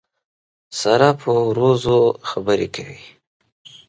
سارا په وروځو خبرې کوي.